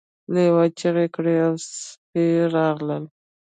لیوه چیغې کړې او سپي راغلل.